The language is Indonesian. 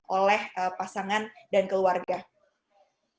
oleh pasangan dan keluarga